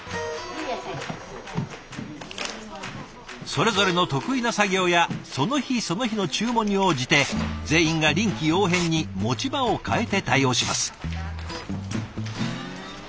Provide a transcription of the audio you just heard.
それぞれの得意な作業やその日その日の注文に応じて全員が臨機応変に持ち場を変えて対応します。